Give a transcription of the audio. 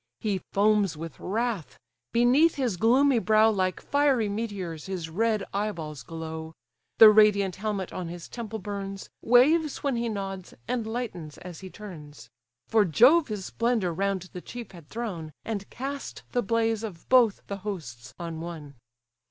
He foams with wrath; beneath his gloomy brow Like fiery meteors his red eye balls glow: The radiant helmet on his temple burns, Waves when he nods, and lightens as he turns: For Jove his splendour round the chief had thrown, And cast the blaze of both the hosts on one.